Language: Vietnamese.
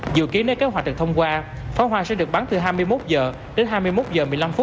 dự kiến nếu kế hoạch được thông qua pháo hoa sẽ được bắn từ hai mươi một h đến hai mươi một h một mươi năm